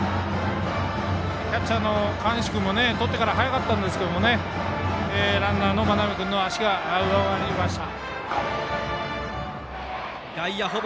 キャッチャーの河西君もとってから早かったんですがランナーの眞邉君の足が上回りました。